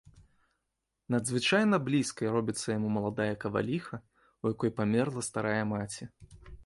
Надзвычайна блізкай робіцца яму маладая каваліха, у якой памерла старая маці.